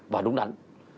và đúng đắn